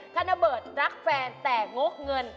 ถ้านเบิร์ตรักแฟนแต่งกเงิน